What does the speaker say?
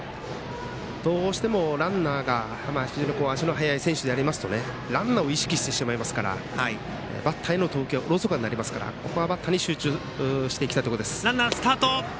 どうしてもランナーが足の速い選手だとランナーを意識してしまいますからバッターへの投球はおろそかになりますからバッターに集中していきたいところです。